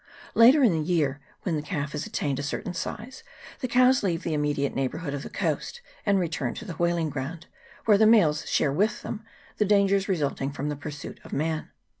Later in the year, when the calf has attained a cer tain size, the cows leave the immediate nejghbour hood of the coast, and return to the " whaling ground," where the males share with them the dangers resulting from the pursuit of man.